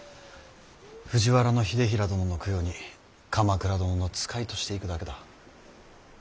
藤原秀衡殿の供養に鎌倉殿の使いとして行くだけだ。